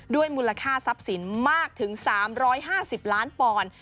มูลค่าทรัพย์สินมากถึง๓๕๐ล้านปอนด์